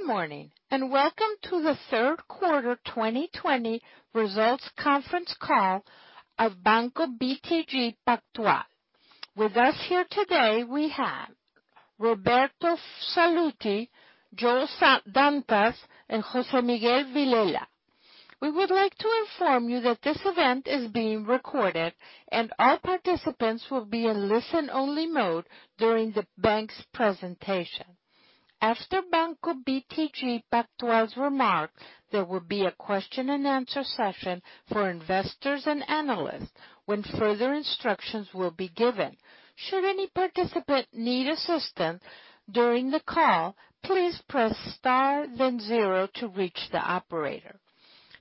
Good morning, and welcome to the third quarter 2020 results conference call of Banco BTG Pactual. With us here today, we have Roberto Sallouti, João Dantas, and Jose Miguel Vilela. We would like to inform you that this event is being recorded, and all participants will be in listen-only mode during the bank's presentation. After Banco BTG Pactual's remarks, there will be a question-and-answer session for investors and analysts when further instructions will be given. Should any participant need assistance during the call, please press star zero to reach the operator.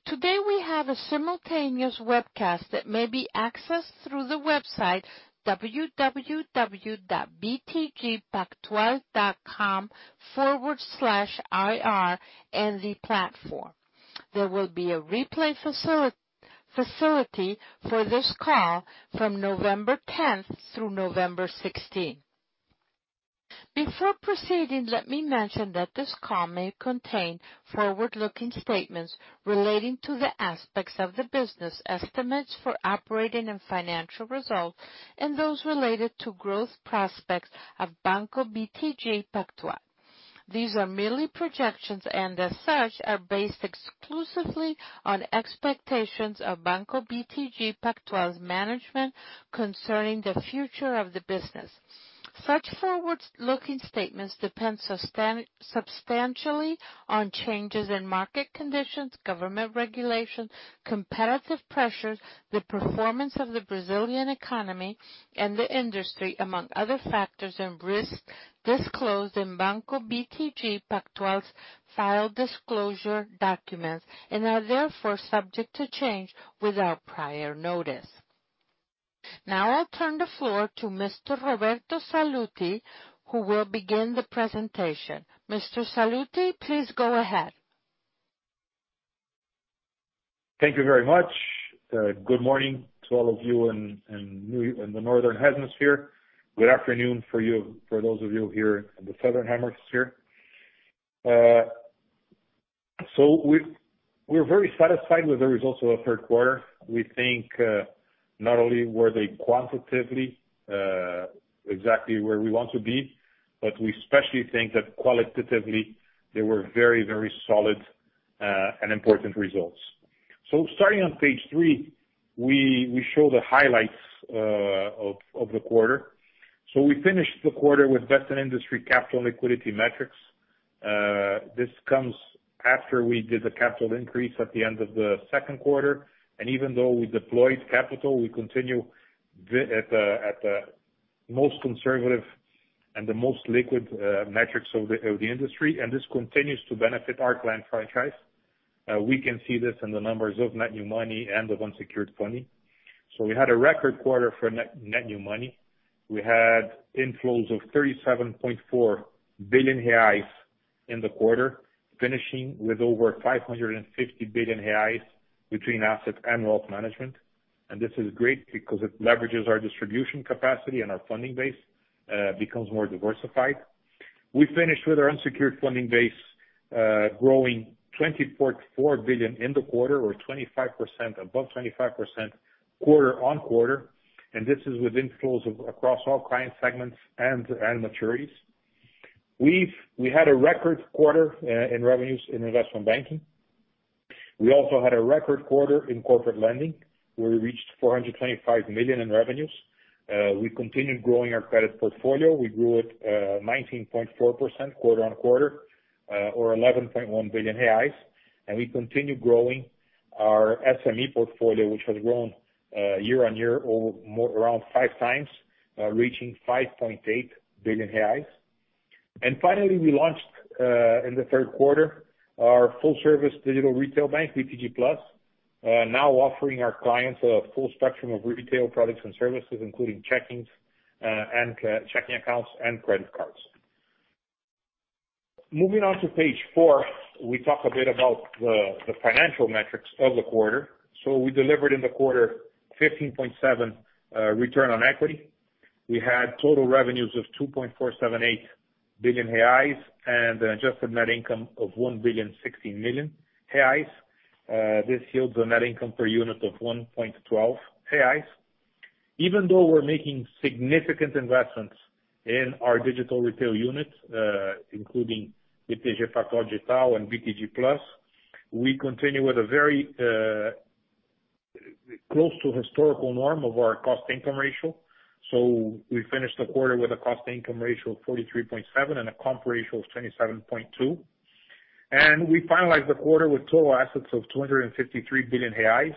Today, we have a simultaneous webcast that may be accessed through the website www.btgpactual.com/ir in the platform. There will be a replay facility for this call from November 10 through November 16. Before proceeding, let me mention that this call may contain forward-looking statements relating to the aspects of the business estimates for operating and financial results, and those related to growth prospects of Banco BTG Pactual. These are merely projections, and as such, are based exclusively on expectations of Banco BTG Pactual's management concerning the future of the business. Such forward-looking statements depend substantially on changes in market conditions, government regulation, competitive pressures, the performance of the Brazilian economy and the industry, among other factors, and risks disclosed in Banco BTG Pactual's filed disclosure documents, and are therefore subject to change without prior notice. Now I'll turn the floor to Mr. Roberto Sallouti, who will begin the presentation. Mr. Sallouti, please go ahead. Thank you very much. Good morning to all of you in the Northern Hemisphere. Good afternoon for those of you here in the Southern Hemisphere. We're very satisfied with the results of our third quarter. We think, not only were they quantitatively exactly where we want to be, but we especially think that qualitatively they were very solid and important results. Starting on page three, we show the highlights of the quarter. We finished the quarter with best-in-industry capital and liquidity metrics. This comes after we did the capital increase at the end of the second quarter, and even though we deployed capital, we continue at the most conservative and the most liquid metrics of the industry, and this continues to benefit our client franchise. We can see this in the numbers of net new money and of unsecured funding. We had a record quarter for net new money. We had inflows of 37.4 billion reais in the quarter, finishing with over 550 billion reais between assets and wealth management. This is great because it leverages our distribution capacity, and our funding base becomes more diversified. We finished with our unsecured funding base growing 24.4 billion in the quarter, or above 25% quarter-on-quarter. This is with inflows across all client segments and maturities. We had a record quarter in revenues in investment banking. We also had a record quarter in corporate lending, where we reached 425 million in revenues. We continued growing our credit portfolio. We grew it 19.4% quarter-on-quarter, or 11.1 billion reais. We continue growing our SME portfolio, which has grown year-on-year around 5x, reaching 5.8 billion reais. Finally, we launched, in the third quarter, our full-service digital retail bank, BTG+, now offering our clients a full spectrum of retail products and services, including checking accounts and credit cards. Moving on to page four, we talk a bit about the financial metrics of the quarter. We delivered in the quarter 15.7% return on equity. We had total revenues of 2.478 billion reais and an adjusted net income of 1.016 billion. This yields a net income per unit of 1.12 reais. Even though we're making significant investments in our digital retail units, including BTG Pactual Digital and BTG+, we continue with a very close to historical norm of our cost income ratio. We finished the quarter with a cost income ratio of 43.7% and a comp ratio of 27.2%. We finalized the quarter with total assets of 253 billion reais,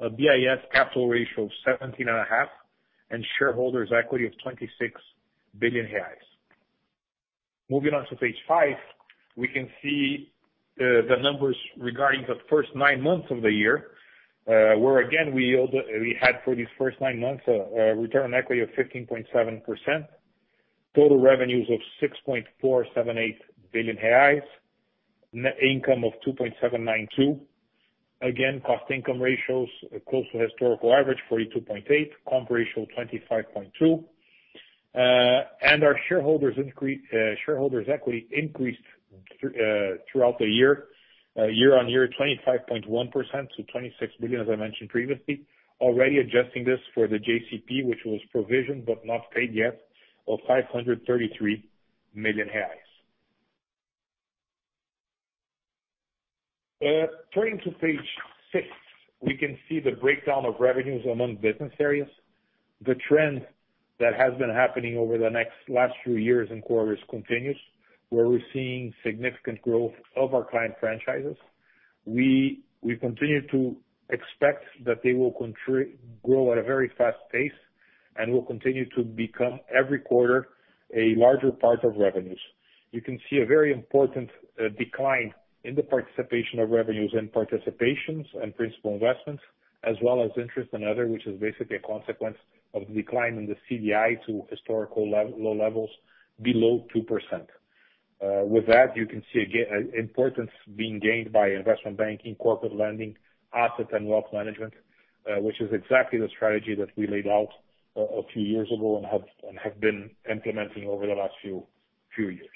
a BIS capital ratio of 17.5, and shareholders' equity of 26 billion reais. Moving on to page five, we can see the numbers regarding the first nine months of the year, where again, we had for these first nine months a return on equity of 15.7%, total revenues of 6.478 billion reais, net income of 2.792 billion. Again, cost income ratios close to historical average, 42.8%, comp ratio 25.2%. Our shareholders' equity increased throughout the year-on-year, 25.1% to 26 billion, as I mentioned previously, already adjusting this for the JCP, which was provisioned but not paid yet, of 533 million reais. Turning to page six, we can see the breakdown of revenues among business areas. The trend that has been happening over the last few years and quarters continues, where we're seeing significant growth of our client franchises. We continue to expect that they will grow at a very fast pace, and will continue to become, every quarter, a larger part of revenues. You can see a very important decline in the participation of revenues and participations and principal investments, as well as interest and other, which is basically a consequence of the decline in the CDI to historical low levels below 2%. With that, you can see importance being gained by investment banking, corporate lending, asset, and wealth management, which is exactly the strategy that we laid out a few years ago and have been implementing over the last few years.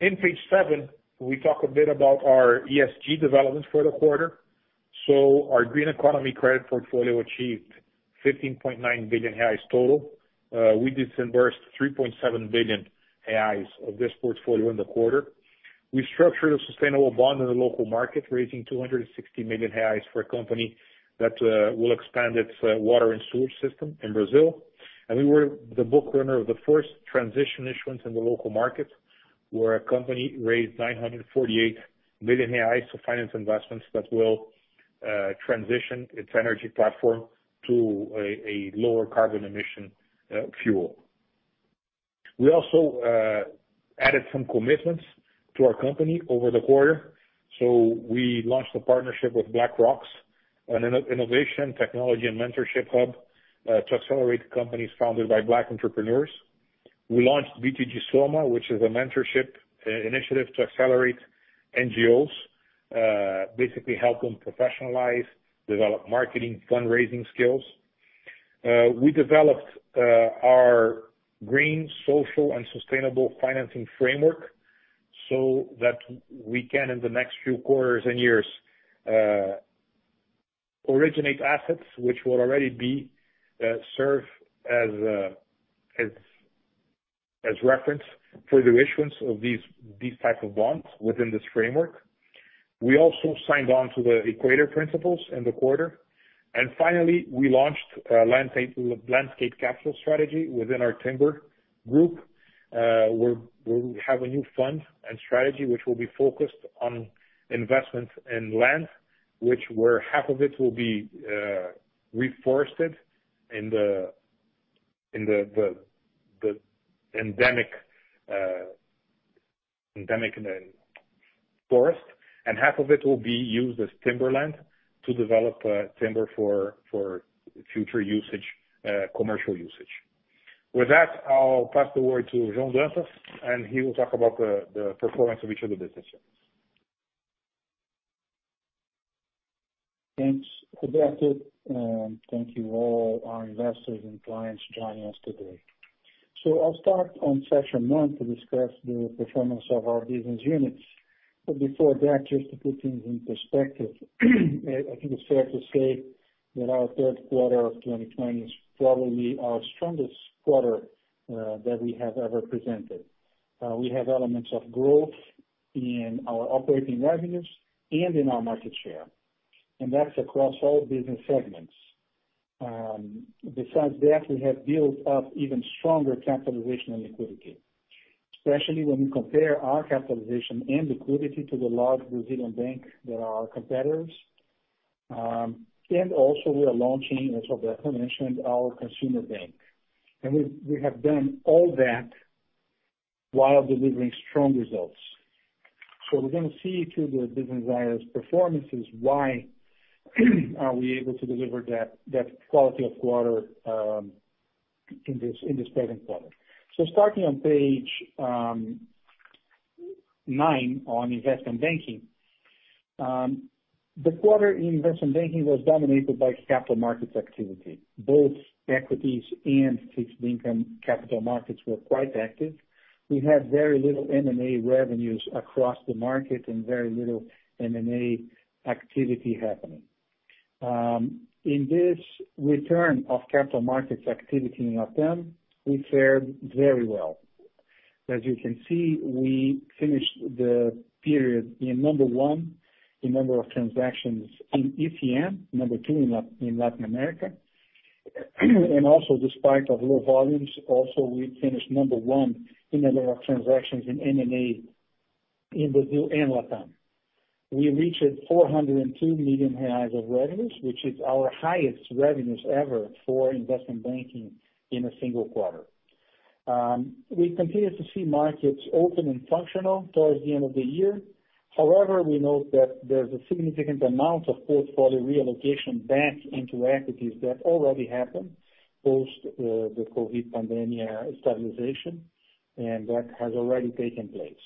In page seven, we talk a bit about our ESG developments for the quarter. Our green economy credit portfolio achieved 15.9 billion reais total. We disbursed 3.7 billion reais of this portfolio in the quarter. We structured a sustainable bond in the local market, raising 260 million reais for a company that will expand its water and sewage system in Brazil. We were the book runner of the first transition issuance in the local market, where a company raised 948 million reais to finance investments that will transition its energy platform to a lower carbon emission fuel. We also added some commitments to our company over the quarter. We launched a partnership with BlackRocks, an innovation technology and mentorship hub to accelerate companies founded by Black entrepreneurs. We launched BTG Soma, which is a mentorship initiative to accelerate NGOs, basically help them professionalize, develop marketing, fundraising skills. We developed our green, social, and sustainable financing framework so that we can, in the next few quarters and years, originate assets which will already serve as reference for the issuance of these types of bonds within this framework. We also signed on to the Equator Principles in the quarter. Finally, we launched a landscape capital strategy within our timber group, where we have a new fund and strategy which will be focused on investments in land, where half of it will be reforested in the endemic forest, and half of it will be used as timberland to develop timber for future commercial usage. With that, I'll pass the word to João Dantas, and he will talk about the performance of each of the business units. Thanks, Roberto. Thank you all our investors and clients joining us today. I'll start on section nine to discuss the performance of our business units. Before that, just to put things in perspective, I think it's fair to say that our third quarter of 2020 is probably our strongest quarter that we have ever presented. We have elements of growth in our operating revenues and in our market share. That's across all business segments. Besides that, we have built up even stronger capitalization and liquidity, especially when we compare our capitalization and liquidity to the large Brazilian bank that are our competitors. Also we are launching, as Roberto mentioned, our consumer bank. We have done all that while delivering strong results. We're going to see through the business areas' performances why are we able to deliver that quality of quarter in this present quarter. Starting on page nine on investment banking. The quarter in investment banking was dominated by capital markets activity. Both equities and fixed income capital markets were quite active. We had very little M&A revenues across the market and very little M&A activity happening. In this return of capital markets activity in Latin, we fared very well. As you can see, we finished the period in number one in number of transactions in ECM, number two in Latin America, and also despite of low volumes, also we finished number one in number of transactions in M&A in Brazil and Latin. We reached 402 million reais of revenues, which is our highest revenues ever for investment banking in a single quarter. We continue to see markets open and functional towards the end of the year. However, we note that there's a significant amount of portfolio reallocation back into equities that already happened post the COVID pandemic stabilization, and that has already taken place.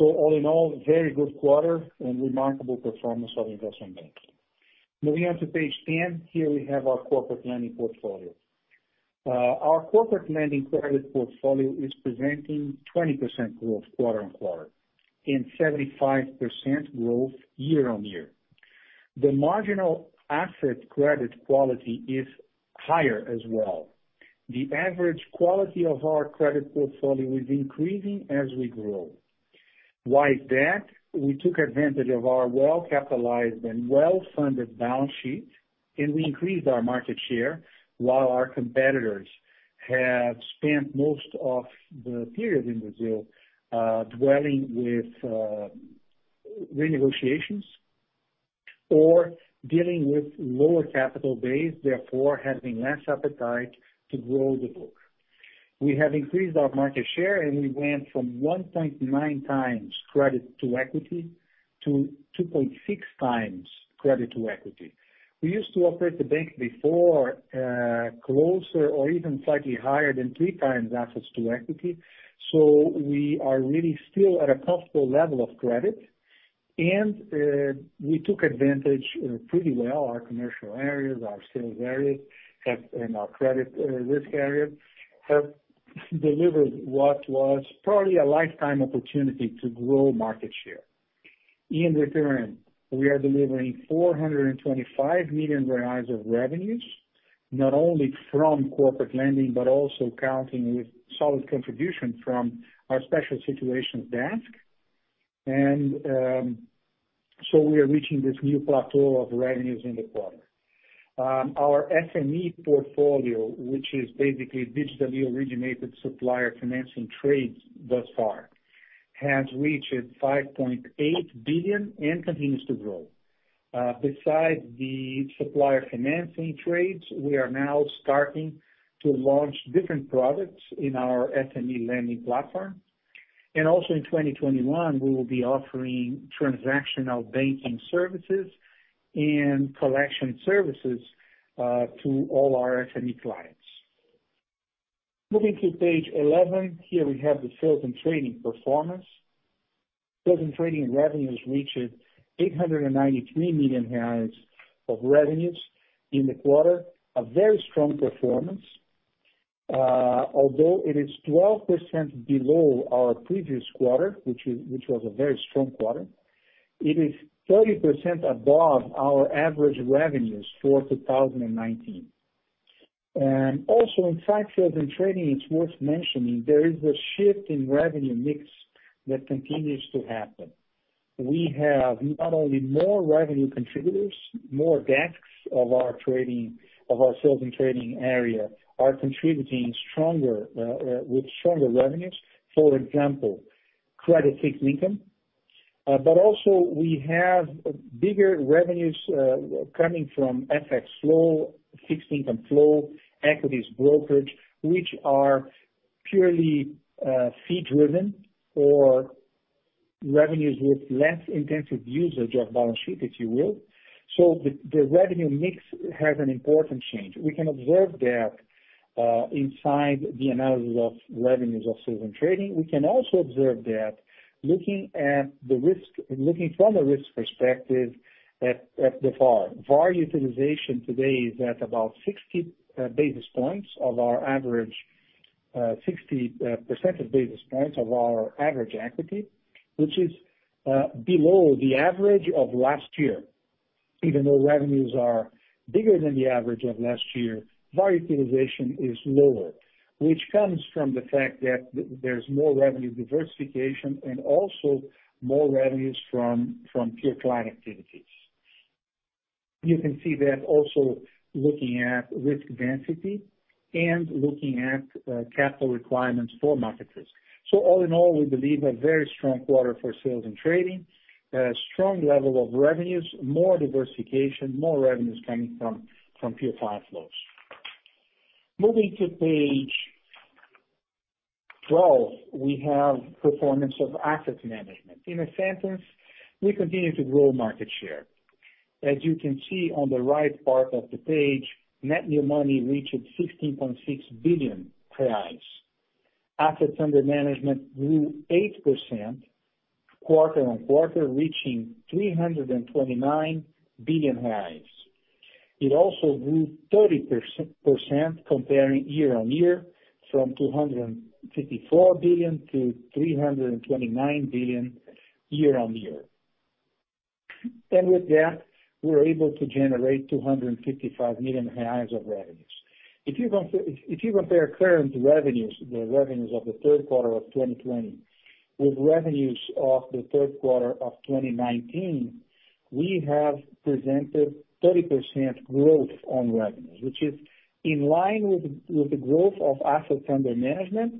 All in all, very good quarter and remarkable performance of investment banking. Moving on to page 10. Here we have our corporate lending portfolio. Our corporate lending credit portfolio is presenting 20% growth quarter-on-quarter and 75% growth year-on-year. The marginal asset credit quality is higher as well. The average quality of our credit portfolio is increasing as we grow. Why is that? We took advantage of our well-capitalized and well-funded balance sheet. We increased our market share while our competitors have spent most of the period in Brazil dwelling with renegotiations or dealing with lower capital base, therefore having less appetite to grow the book. We have increased our market share. We went from 1.9x credit to equity to 2.6x credit to equity. We used to operate the bank before, closer or even slightly higher than 3x assets to equity. We are really still at a comfortable level of credit. We took advantage pretty well. Our commercial areas, our sales areas, and our credit risk area have delivered what was probably a lifetime opportunity to grow market share. In return, we are delivering 425 million reais of revenues, not only from corporate lending, but also counting with solid contribution from our special situations desk. We are reaching this new plateau of revenues in the quarter. Our SME portfolio, which is basically digitally originated supplier financing trades thus far, has reached 5.8 billion and continues to grow. Besides the supplier financing trades, we are now starting to launch different products in our SME lending platform. In 2021, we will be offering transactional banking services and collection services to all our SME clients. Moving to page 11. Here we have the sales and trading performance. Sales and trading revenues reached BRL 893 million of revenues in the quarter. A very strong performance. Although it is 12% below our previous quarter, which was a very strong quarter, it is 30% above our average revenues for 2019. Inside sales and trading, it's worth mentioning, there is a shift in revenue mix that continues to happen. We have not only more revenue contributors, more desks of our sales and trading area are contributing with stronger revenues. For example, credit fixed income. Also we have bigger revenues coming from FX flow, fixed income flow, equities brokerage, which are purely fee-driven or revenues with less intensive usage of balance sheet, if you will. The revenue mix has an important change. We can observe that inside the analysis of revenues of sales and trading. We can also observe that looking from a risk perspective at the VaR. VaR utilization today is at about 60 percentage basis points of our average equity, which is below the average of last year. Even though revenues are bigger than the average of last year, VaR utilization is lower, which comes from the fact that there's more revenue diversification and also more revenues from pure client activities. You can see that also looking at risk density and looking at capital requirements for market risk. All in all, we believe a very strong quarter for sales and trading, a strong level of revenues, more diversification, more revenues coming from pure client flows. Moving to page 12, we have performance of assets management. In a sentence, we continue to grow market share. As you can see on the right part of the page, net new money reached 16.6 billion reais. Assets under management grew 8% quarter-on-quarter, reaching 329 billion. It also grew 30% comparing year-on-year from BRL 254 billion-BRL 329 billion year-on-year. With that, we were able to generate 255 million of revenues. If you compare current revenues, the revenues of the third quarter of 2020 with revenues of the third quarter of 2019, we have presented 30% growth on revenues, which is in line with the growth of assets under management,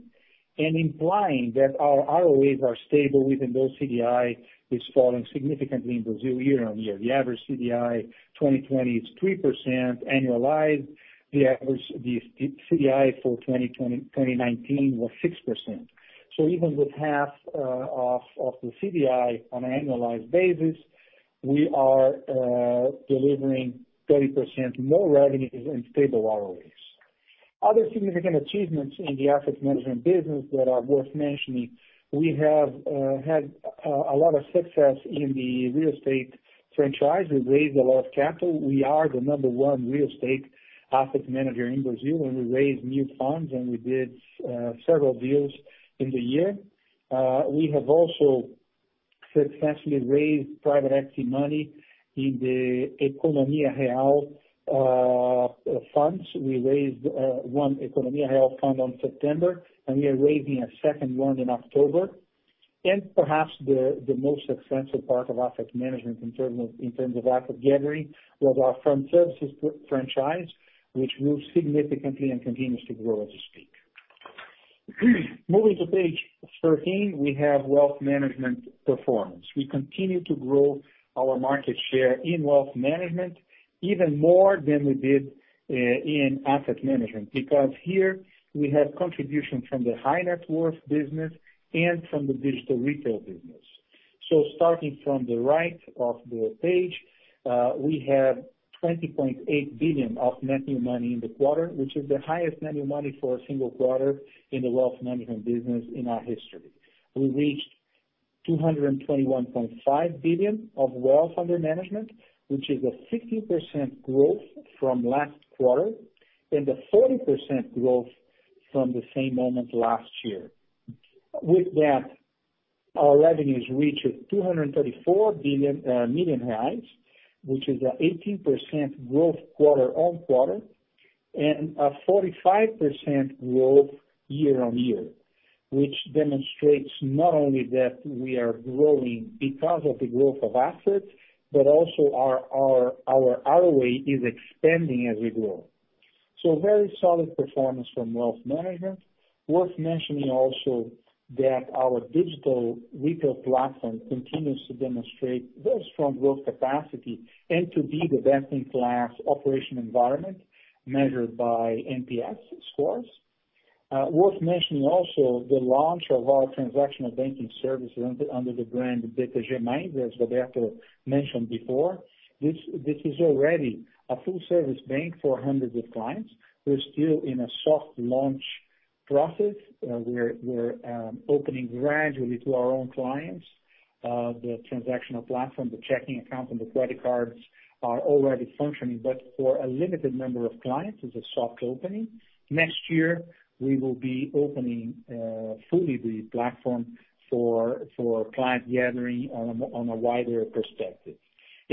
implying that our ROAs are stable even though CDI is falling significantly in Brazil year-on-year. The average CDI 2020 is 3% annualized. The average CDI for 2019 was 6%. Even with half of the CDI on an annualized basis, we are delivering 30% more revenues and stable ROAs. Other significant achievements in the asset management business that are worth mentioning, we have had a lot of success in the real estate franchise. We've raised a lot of capital. We are the number one real estate asset manager in Brazil. We raised new funds and we did several deals in the year. We have also successfully raised private equity money in the Economia Real funds. We raised one Economia Real fund on September. We are raising a second one in October. Perhaps the most successful part of asset management in terms of asset gathering was our fund services franchise, which grew significantly and continues to grow as we speak. Moving to page 13, we have wealth management performance. We continue to grow our market share in wealth management even more than we did in asset management, because here we have contribution from the high-net-worth business and from the digital retail business. Starting from the right of the page, we have 20.8 billion of net new money in the quarter, which is the highest net new money for a single quarter in the wealth management business in our history. We reached 221.5 billion of wealth under management, which is a 15% growth from last quarter and a 40% growth from the same moment last year. With that, our revenues reached 234 million reais, which is an 18% growth quarter-on-quarter and a 45% growth year-on-year, which demonstrates not only that we are growing because of the growth of assets, but also our ROA is expanding as we grow. A very solid performance from wealth management. Worth mentioning also that our digital retail platform continues to demonstrate very strong growth capacity and to be the best-in-class operation environment measured by NPS scores. Worth mentioning also the launch of our transactional banking service under the brand BTG Mais, as Roberto mentioned before. This is already a full-service bank for hundreds of clients. We're still in a soft launch process. We're opening gradually to our own clients. The transactional platform, the checking account, and the credit cards are already functioning, but for a limited number of clients as a soft opening. Next year, we will be opening fully the platform for client gathering on a wider perspective.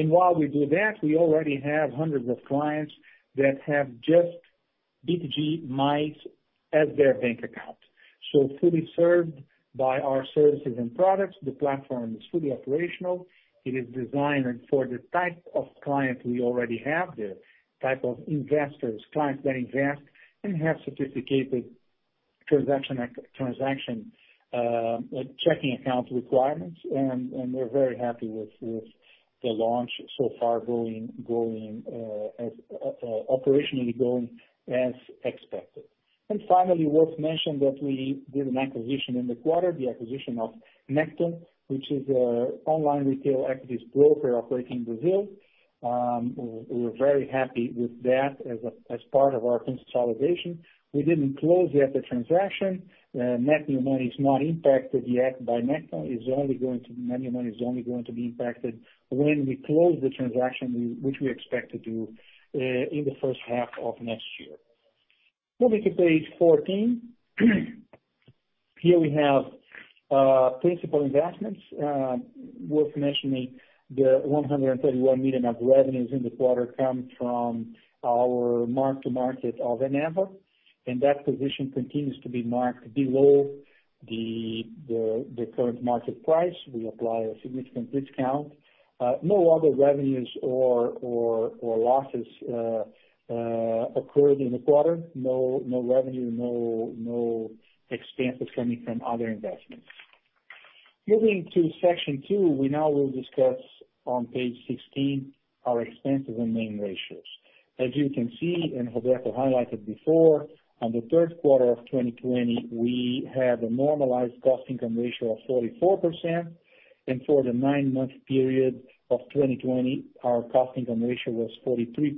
While we do that, we already have hundreds of clients that have just BTG Mais as their bank account. Fully served by our services and products. The platform is fully operational. It is designed for the type of client we already have there, type of investors, clients that invest, and have sophisticated transaction checking account requirements, and we're very happy with the launch so far operationally going as expected. Finally, worth mentioning that we did an acquisition in the quarter, the acquisition of Necton, which is an online retail equities broker operating in Brazil. We're very happy with that as part of our consolidation. We didn't close yet the transaction. Net new money is not impacted yet by Necton. Net new money is only going to be impacted when we close the transaction, which we expect to do in the first half of next year. Moving to page 14. Here we have principal investments. Worth mentioning, the 131 million of revenues in the quarter come from our mark to market of Eneva, and that position continues to be marked below the current market price. We apply a significant discount. No other revenues or losses occurred in the quarter. No revenue, no expenses coming from other investments. Moving to section two, we now will discuss on page 16 our expenses and main ratios. As you can see, and Roberto highlighted before, on the third quarter of 2020, we have a normalized cost-income ratio of 44%, and for the nine-month period of 2020, our cost-income ratio was 43%.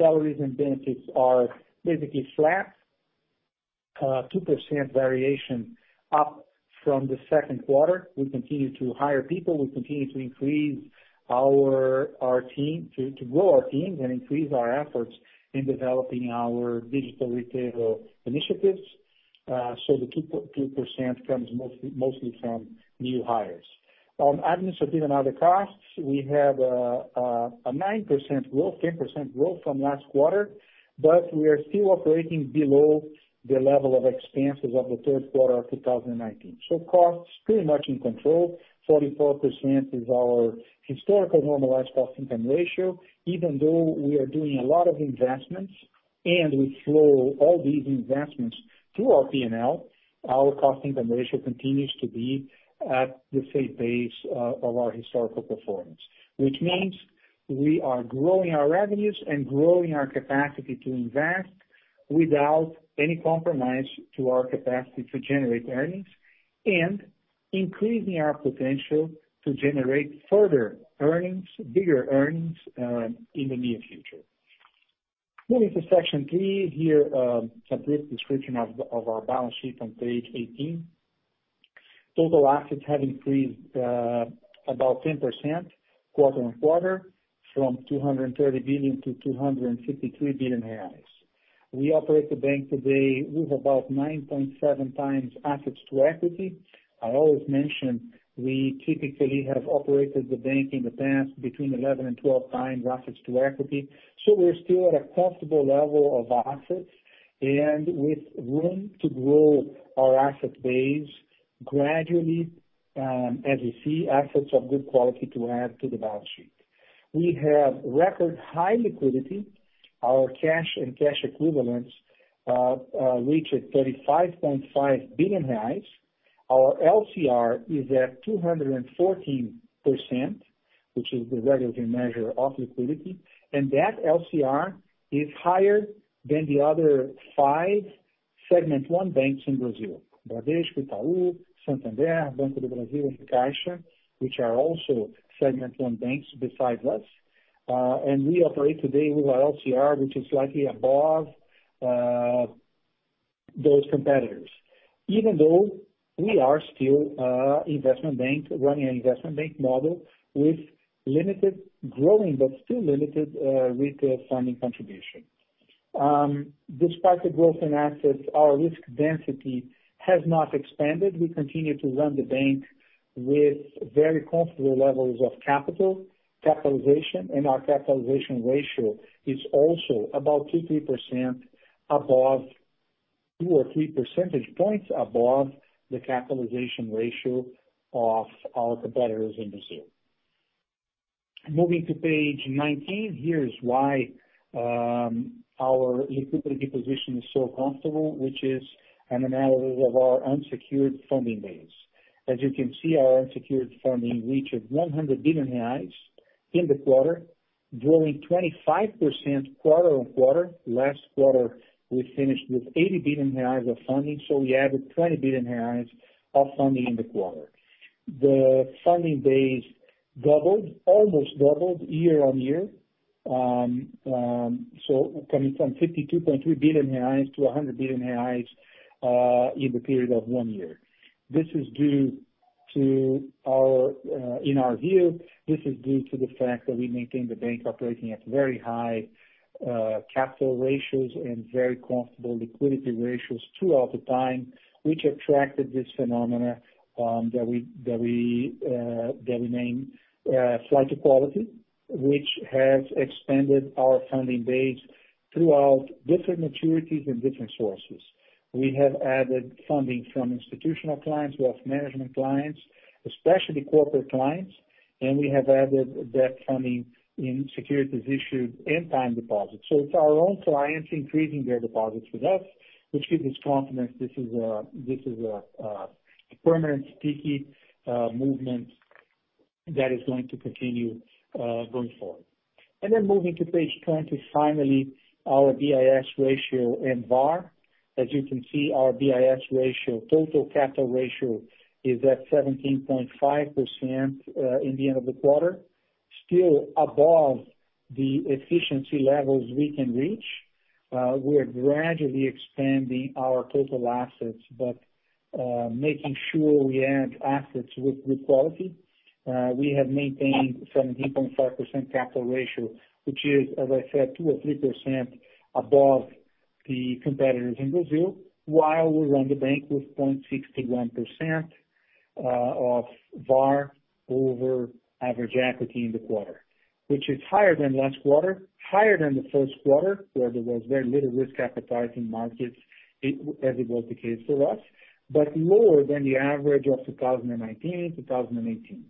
Salaries and benefits are basically flat, 2% variation up from the second quarter. We continue to hire people. We continue to grow our teams and increase our efforts in developing our digital retail initiatives. The 2% comes mostly from new hires. On administrative and other costs, we have a 9% growth, 10% growth from last quarter. We are still operating below the level of expenses of the third quarter of 2019. Costs pretty much in control. 44% is our historical normalized cost-income ratio. Even though we are doing a lot of investments and we flow all these investments through our P&L, our cost-income ratio continues to be at the same pace of our historical performance, which means we are growing our revenues and growing our capacity to invest without any compromise to our capacity to generate earnings and increasing our potential to generate further earnings, bigger earnings, in the near future. Moving to section three, here is a brief description of our balance sheet on page 18. Total assets have increased about 10% quarter-on-quarter, from 230 billion-253 billion reais. We operate the bank today with about 9.7x assets to equity. I always mention we typically have operated the bank in the past between 11x and 12x assets to equity. We're still at a comfortable level of assets and with room to grow our asset base gradually, as you see assets of good quality to add to the balance sheet. We have record high liquidity. Our cash and cash equivalents reached 35.5 billion reais. Our LCR is at 214%, which is the regulatory measure of liquidity, and that LCR is higher than the other five segment one banks in Brazil, Bradesco, Itaú, Santander, Banco do Brasil, and Caixa, which are also segment one banks besides us. We operate today with our LCR, which is slightly above those competitors. Even though we are still investment bank, running an investment bank model with limited growing but still limited retail funding contribution. Despite the growth in assets, our risk density has not expanded. We continue to run the bank with very comfortable levels of capital, capitalization, and our capitalization ratio is also about 2 percentage point or 3 percentage points above the capitalization ratio of our competitors in Brazil. Moving to page 19, here is why our liquidity position is so comfortable, which is an analysis of our unsecured funding base. As you can see, our unsecured funding reached 100 billion reais in the quarter, growing 25% quarter-on-quarter. Last quarter, we finished with 80 billion reais of funding, so we added 20 billion reais of funding in the quarter. The funding base almost doubled year-on-year, so coming from 52.3 billion-100 billion reais in the period of one year. In our view, this is due to the fact that we maintain the bank operating at very high capital ratios and very comfortable liquidity ratios throughout the time, which attracted this phenomena that we name flight to quality, which has expanded our funding base throughout different maturities and different sources. We have added funding from institutional clients, wealth management clients, especially corporate clients, and we have added debt funding in securities issued and time deposits. It's our own clients increasing their deposits with us, which gives us confidence this is a permanent sticky movement that is going to continue going forward. Moving to page 20, finally, our BIS ratio and VaR. As you can see, our BIS ratio, total capital ratio is at 17.5% in the end of the quarter, still above the efficiency levels we can reach. We are gradually expanding our total assets but making sure we add assets with good quality. We have maintained 17.5% capital ratio, which is, as I said, 2% or 3% above the competitors in Brazil while we run the bank with 0.61% of VaR over average equity in the quarter. Which is higher than last quarter, higher than the first quarter, where there was very little risk appetite in markets as it was the case for us, but lower than the average of 2019, 2018.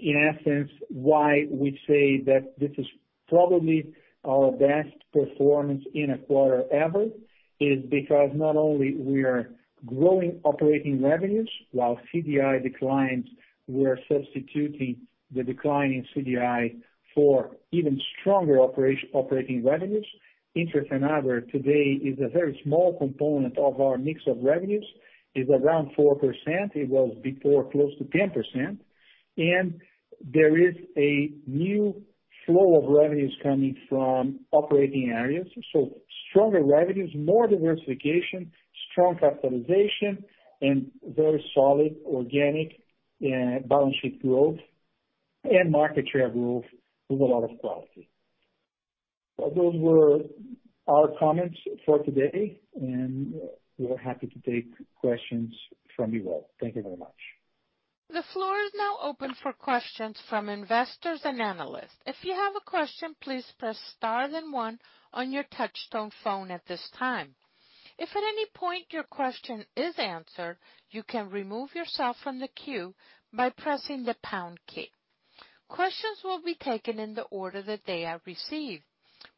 In essence, why we say that this is probably our best performance in a quarter ever is because not only we are growing operating revenues while CDI declines, we are substituting the decline in CDI for even stronger operating revenues. Interest and other today is a very small component of our mix of revenues, is around 4%. It was before close to 10%. There is a new flow of revenues coming from operating areas. Stronger revenues, more diversification, strong capitalization, and very solid organic balance sheet growth and market share growth with a lot of quality. Those were our comments for today, and we are happy to take questions from you all. Thank you very much. The floor is now open for question from investor and analyst. If you have a question, please press star then one on your touch-tone phone at this time. If at any point your question is answered, you can remove yourself from the queue by pressing the pound key. Questions will be taken in the order that they are received.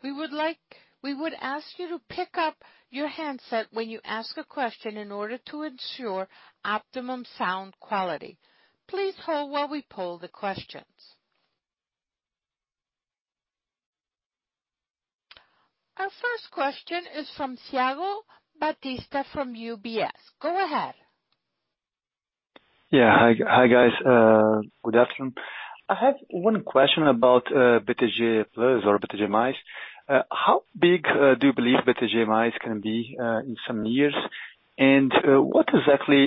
We would ask you to pick up your handset when you ask a question in order to ensure optimum sound quality. Please hold while we poll the questions. Our first question is from Thiago Batista from UBS. Go ahead. Yeah. Hi, guys. Good afternoon. I have one question about BTG+ or BTG Mais. How big do you believe BTG Mais can be in some years? What exactly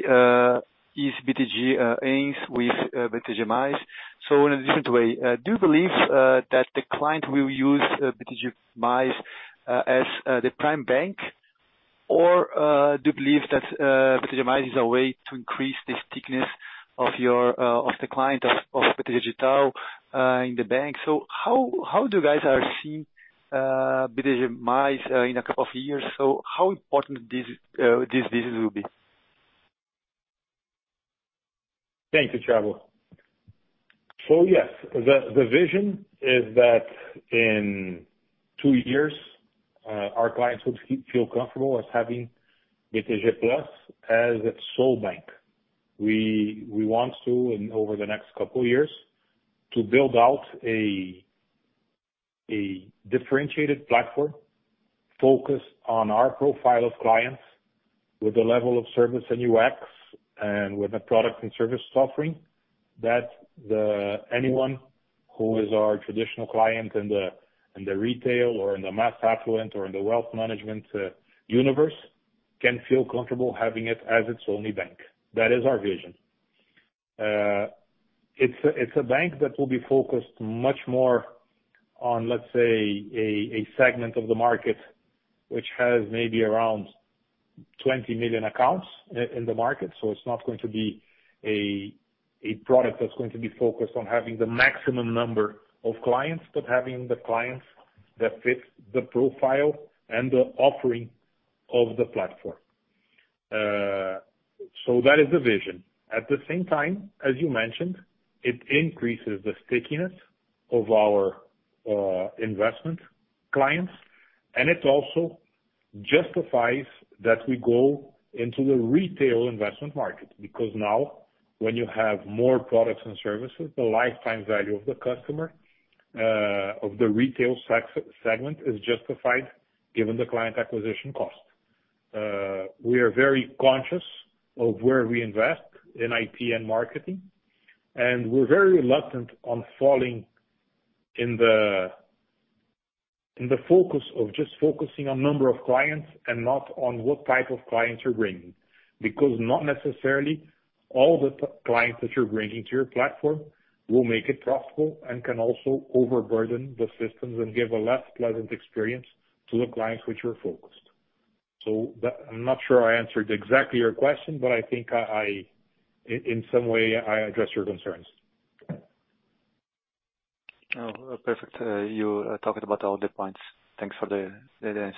is BTG aims with BTG Mais? In a different way, do you believe that the client will use BTG Mais as the prime bank, or do you believe that BTG Mais is a way to increase the thickness of the client of digital in the bank? How do you guys foresee BTG Mais in a couple of years? How important this business will be? Thank you, Thiago. Yes, the vision is that in two years our clients would feel comfortable as having BTG+ as its sole bank. We want to, and over the next couple years, to build out a differentiated platform focused on our profile of clients with a level of service and UX and with a product and service offering that anyone who is our traditional client in the retail or in the mass affluent or in the wealth management universe can feel comfortable having it as its only bank. That is our vision. It's a bank that will be focused much more on, let's say, a segment of the market, which has maybe around 20 million accounts in the market. It's not going to be a product that's going to be focused on having the maximum number of clients, but having the clients that fit the profile and the offering of the platform. That is the vision. At the same time, as you mentioned, it increases the stickiness of our investment clients, and it also justifies that we go into the retail investment market because now when you have more products and services, the lifetime value of the customer, of the retail segment is justified given the client acquisition cost. We are very conscious of where we invest in IP and marketing, and we're very reluctant on falling in the focus of just focusing on number of clients and not on what type of clients you're bringing, because not necessarily all the clients that you're bringing to your platform will make it profitable and can also overburden the systems and give a less pleasant experience to the clients which we're focused. I'm not sure I answered exactly your question, but I think in some way I addressed your concerns. Oh, perfect. You talked about all the points. Thanks for the answer.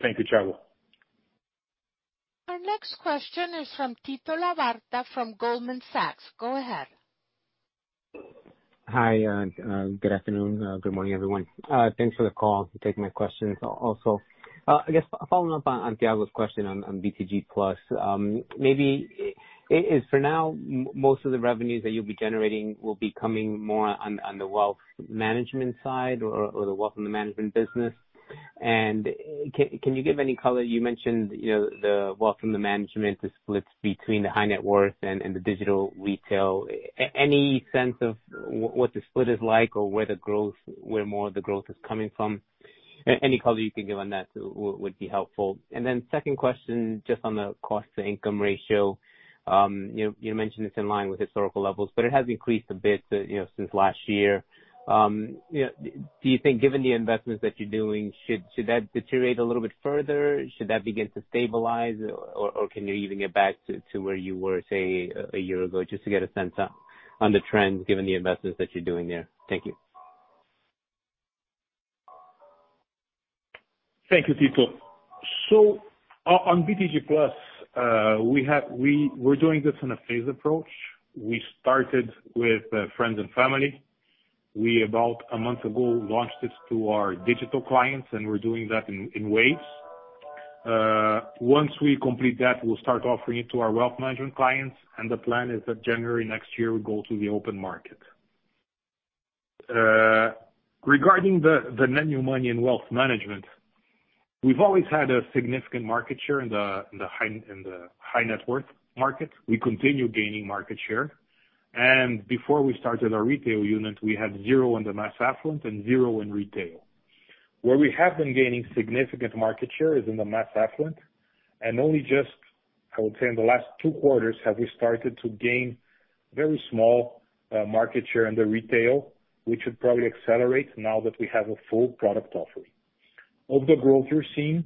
Thank you, Thiago. Our next question is from Tito Labarta from Goldman Sachs. Go ahead. Hi. Good afternoon. Good morning, everyone. Thanks for the call and taking my questions also. I guess following up on Thiago's question on BTG+. Maybe it is for now, most of the revenues that you'll be generating will be coming more on the wealth management side or the wealth management business. Can you give any color? You mentioned the wealth and the management is split between the high net worth and the digital retail. Any sense of what the split is like or where more of the growth is coming from? Any color you can give on that would be helpful. Second question, just on the cost to income ratio. You mentioned it's in line with historical levels, it has increased a bit since last year. Do you think given the investments that you're doing, should that deteriorate a little bit further? Should that begin to stabilize? Or can you even get back to where you were, say, a year ago? Just to get a sense on the trends given the investments that you're doing there. Thank you. Thank you, Tito. On BTG+, we're doing this in a phased approach. We started with friends and family. We, about a month ago, launched this to our digital clients, and we're doing that in waves. Once we complete that, we'll start offering it to our wealth management clients, and the plan is that January next year, we go to the open market. Regarding the new money in wealth management, we've always had a significant market share in the high net worth market. We continue gaining market share. Before we started our retail unit, we had zero in the mass affluent and zero in retail. Where we have been gaining significant market share is in the mass affluent. Only just, I would say, in the last two quarters, have we started to gain very small market share in the retail, which would probably accelerate now that we have a full product offering. Of the growth you're seeing,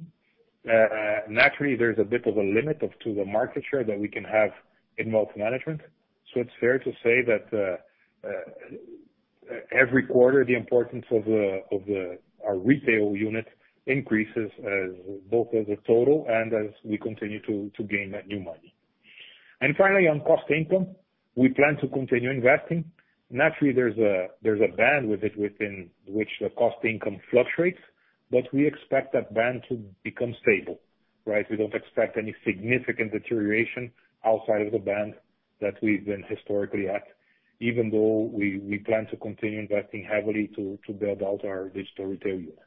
naturally, there's a bit of a limit to the market share that we can have in wealth management. It's fair to say that every quarter the importance of our retail unit increases as both as a total and as we continue to gain that new money. Finally, on cost income, we plan to continue investing. Naturally, there's a bandwidth within which the cost income fluctuates, but we expect that band to become stable. Right? We don't expect any significant deterioration outside of the band that we've been historically at. Even though we plan to continue investing heavily to build out our digital retail unit.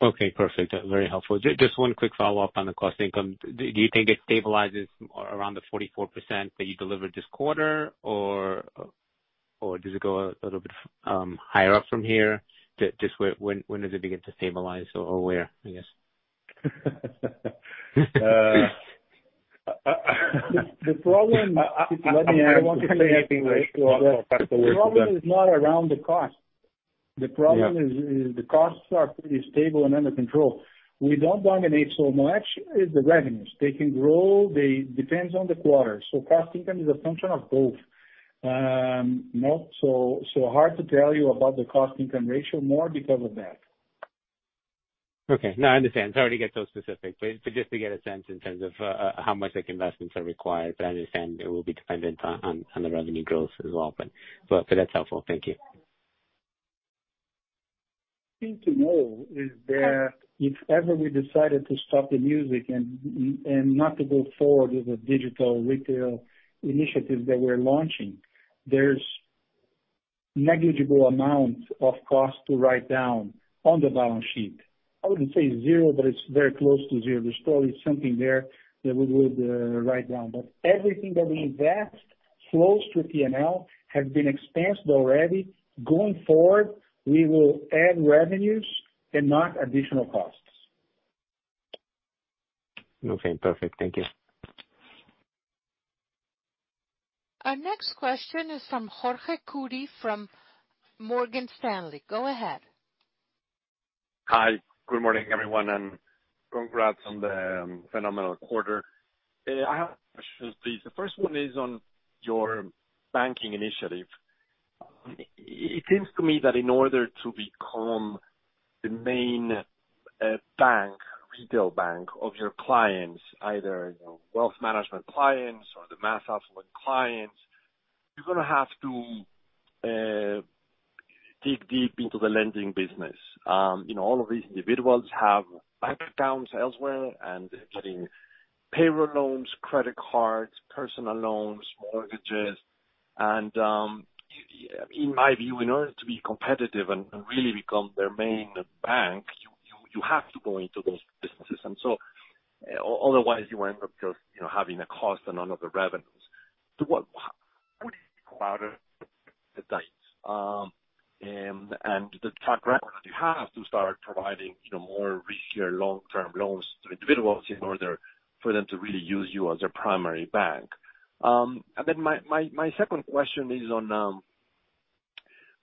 Okay, perfect. Very helpful. Just one quick follow-up on the cost income. Do you think it stabilizes around the 44% that you delivered this quarter, or does it go a little bit higher up from here? Just when does it begin to stabilize, or where, I guess? Let me answer. I want to say anything ratio as well. The problem is not around the cost. Yeah. The problem is the costs are pretty stable and under control. We don't dominate so much, is the revenues. They can grow, depends on the quarter. Cost-income is a function of both. Hard to tell you about the cost-income ratio more because of that. Okay. No, I understand. Sorry to get so specific, just to get a sense in terms of how much investments are required? I understand it will be dependent on the revenue growth as well. That's helpful. Thank you. Thing to know is that if ever we decided to stop the music and not to go forward with the digital retail initiatives that we're launching, there's negligible amounts of cost to write down on the balance sheet. I wouldn't say zero, it's very close to zero. There's probably something there that we would write down. Everything that we invest flows through P&L, have been expensed already. Going forward, we will add revenues and not additional costs. Okay, perfect. Thank you. Our next question is from Jorge Kuri from Morgan Stanley. Go ahead. Hi. Good morning, everyone, and congrats on the phenomenal quarter. I have questions, please. The first one is on your banking initiative. It seems to me that in order to become the main bank, retail bank of your clients, either Wealth Management clients or the mass affluent clients, you are going to have to dig deep into the lending business. All of these individuals have bank accounts elsewhere, and they are getting payroll loans, credit cards, personal loans, mortgages. In my view, in order to be competitive and really become their main bank, you have to go into those businesses. Otherwise, you end up just having a cost and none of the revenues. What would it require the designs? The track record that you have to start providing more riskier long-term loans to individuals in order for them to really use you as their primary bank. My second question is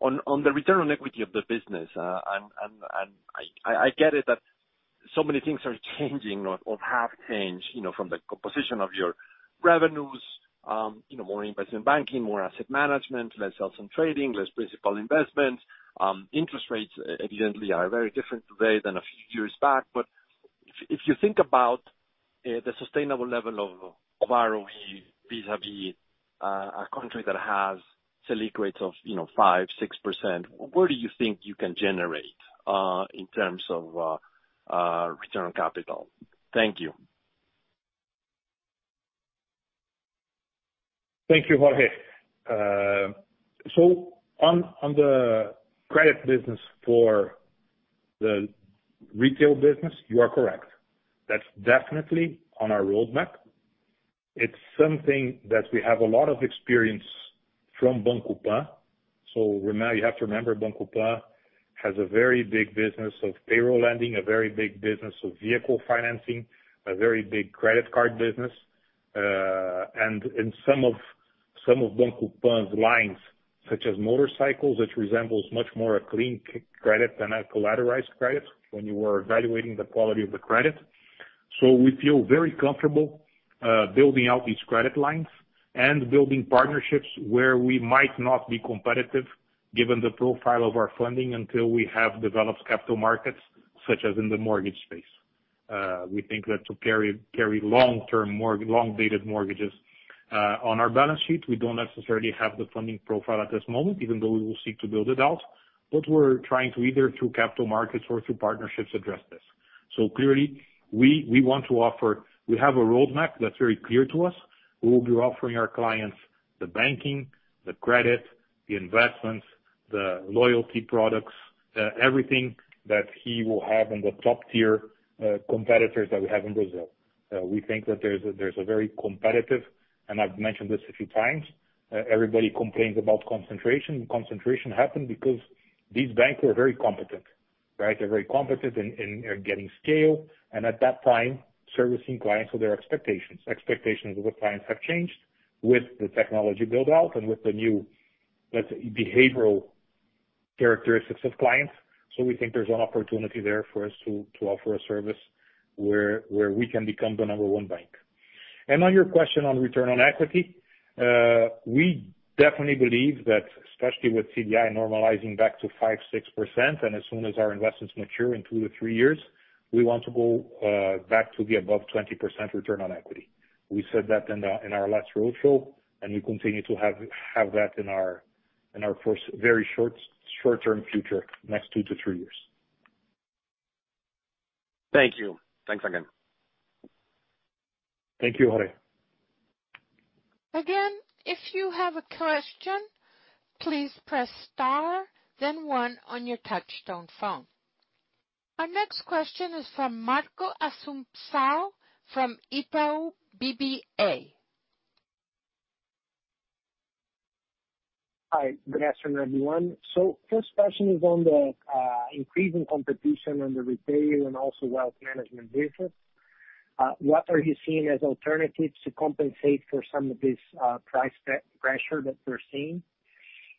on the return on equity of the business. I get it that so many things are changing or have changed from the composition of your revenues, more investment banking, more asset management, less sales and trading, less principal investments. Interest rates, evidently, are very different today than a few years back. If you think about the sustainable level of ROE vis-à-vis a country that has Selic rates of 5%, 6%, where do you think you can generate in terms of return on capital? Thank you. Thank you, Jorge. On the credit business for the retail business, you are correct. That's definitely on our roadmap. It's something that we have a lot of experience from Banco Pan. You have to remember, Banco Pan has a very big business of payroll lending, a very big business of vehicle financing, a very big credit card business. In some of Banco Pan's lines, such as motorcycles, which resembles much more a clean credit than a collateralized credit when you are evaluating the quality of the credit. We feel very comfortable building out these credit lines and building partnerships where we might not be competitive given the profile of our funding until we have developed capital markets, such as in the mortgage space. We think that to carry long-term, long-dated mortgages on our balance sheet, we don't necessarily have the funding profile at this moment, even though we will seek to build it out. We're trying to either through capital markets or through partnerships, address this. Clearly, we want to offer. We have a roadmap that's very clear to us. We will be offering our clients the banking, the credit, the investments, the loyalty products, everything that he will have in the top-tier competitors that we have in Brazil. We think that there's a very competitive, and I've mentioned this a few times. Everybody complains about concentration. Concentration happened because these banks were very competent. Right? They're very competent in getting scale, and at that time, servicing clients with their expectations. Expectations of the clients have changed with the technology build-out and with the new, let's say, behavioral characteristics of clients. We think there's an opportunity there for us to offer a service where we can become the number one bank. On your question on return on equity, we definitely believe that, especially with CDI normalizing back to 5%-6%, and as soon as our investments mature in two to three years, we want to go back to the above 20% return on equity. We said that in our last roadshow, and we continue to have that in our very short-term future, next two to three years. Thank you. Thanks again. Thank you, Jorge. Again, if you have a question, please press star then one on your touch-tone phone. Our next question is from Marcos Assumpção from Itaú BBA. Hi, good afternoon, everyone. First question is on the increasing competition on the retail and also wealth management business. What are you seeing as alternatives to compensate for some of this price pressure that we're seeing?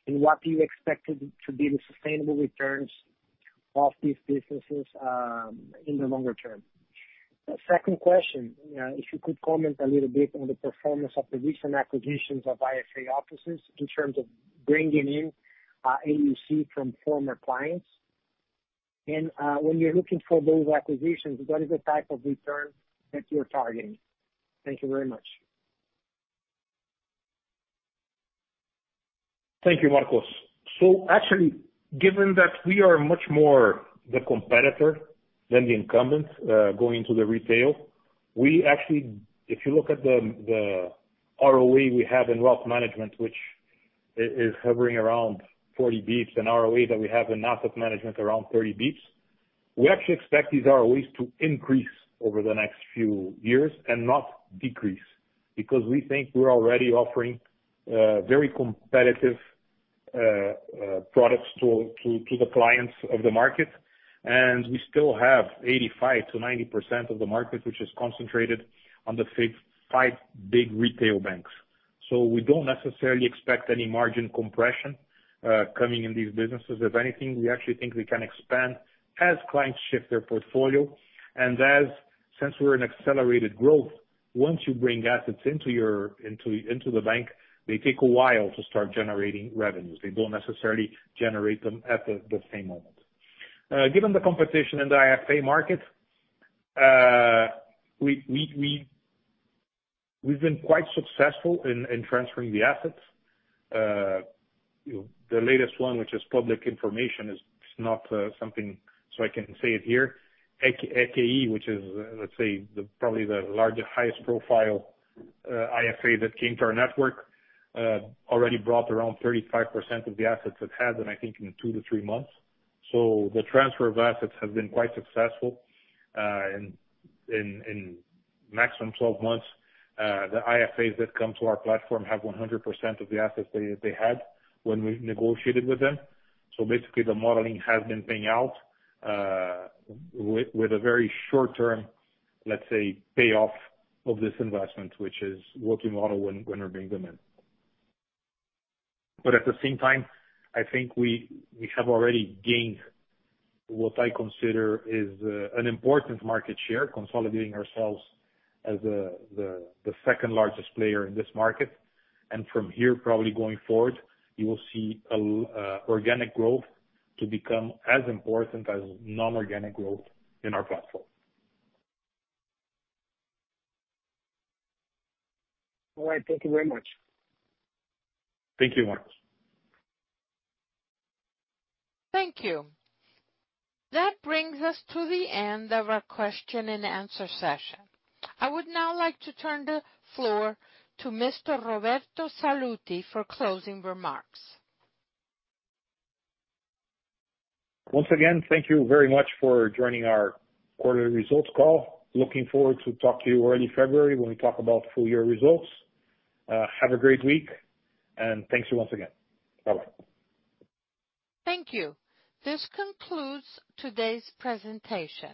What do you expect to be the sustainable returns of these businesses in the longer term? Second question, if you could comment a little bit on the performance of the recent acquisitions of IFA offices in terms of bringing in AUM from former clients. When you're looking for those acquisitions, what is the type of return that you're targeting? Thank you very much. Thank you, Marcos. Actually, given that we are much more the competitor than the incumbents, going to the retail, we actually, if you look at the ROE we have in wealth management, which is hovering around 40 basis points, and ROE that we have in asset management around 30 basis points. We actually expect these ROEs to increase over the next few years and not decrease, because we think we're already offering very competitive products to the clients of the market, and we still have 85%-90% of the market, which is concentrated on the five big retail banks. We don't necessarily expect any margin compression coming in these businesses. If anything, we actually think we can expand as clients shift their portfolio. Since we're in accelerated growth, once you bring assets into the bank, they take a while to start generating revenues. They don't necessarily generate them at the same moment. Given the competition in the IFA market, we've been quite successful in transferring the assets. The latest one, which is public information, is not something, so I can say it here. EQI, which is, let's say, probably the largest, highest profile, IFA that came to our network, already brought around 35% of the assets it had in, I think, in two to three months. The transfer of assets has been quite successful. In maximum 12 months, the IFAs that come to our platform have 100% of the assets they had when we negotiated with them. Basically the modeling has been paying out, with a very short term, let's say, payoff of this investment, which is working a lot of when we're bringing them in. At the same time, I think we have already gained what I consider is an important market share, consolidating ourselves as the second-largest player in this market. From here, probably going forward, you will see organic growth to become as important as non-organic growth in our platform. All right. Thank you very much. Thank you, Marcos. Thank you. That brings us to the end of our question-and-answer session. I would now like to turn the floor to Mr. Roberto Sallouti for closing remarks. Once again, thank you very much for joining our quarterly results call. Looking forward to talk to you early February when we talk about full-year results. Have a great week and thank you once again. Bye-bye. Thank you. This concludes today's presentation.